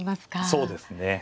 そうですね。